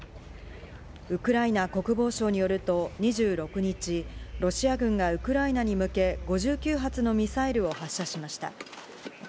ウクライナ国防省によると２６日、ロシア軍がウクライナに向け、５９発のミサイルを発射しました。